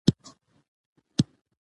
تاسو تاریخ ته په کومه سترګه ګورئ؟